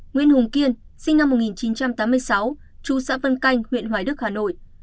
nguyễn hùng kiên sinh năm một nghìn chín trăm tám mươi sáu chú xã vân canh huyện hoài đức hà nội